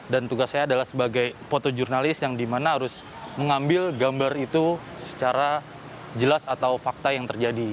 dan tugas saya adalah sebagai foto jurnalis yang di mana harus mengambil gambar itu secara jelas atau fakta yang terjadi